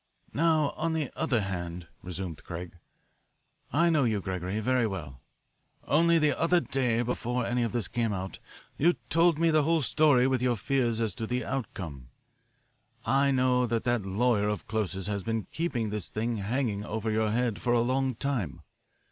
"Now, on the other hand," resumed Craig, "I know you, Gregory, very well. Only the other day, before any of this came out, you told me the whole story with your fears as to the outcome. I know that that lawyer of Close's has been keeping this thing hanging over your head for a long time.